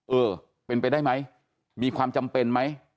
เออเป็นไปได้ไหมมีความจำเป็นไหม